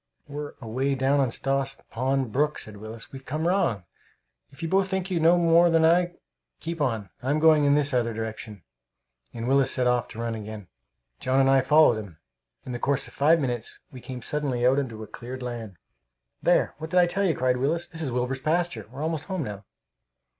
"We're away down on Stoss Pond brook," said Willis. "We've come wrong! If you both think you know more than I, keep on; I'm going in this other direction," and Willis set off to run again. John and I followed him. In the course of five minutes we came suddenly out into cleared land. "There! What did I tell you?" cried Willis. "This is Wilbur's pasture. We're almost home now."